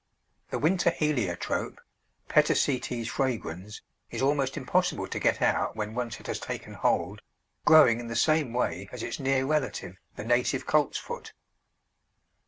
The winter Heliotrope (Petasites fragrans) is almost impossible to get out when once it has taken hold, growing in the same way as its near relative the native Coltsfoot.